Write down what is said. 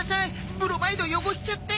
ブロマイド汚しちゃって。